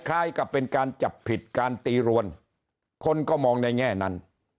คล้ายกับเป็นการจับผิดการตีรวนคนก็มองในแง่นั้น